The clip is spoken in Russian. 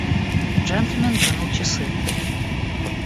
Джентльмен вынул часы.